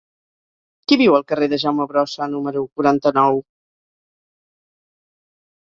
Qui viu al carrer de Jaume Brossa número quaranta-nou?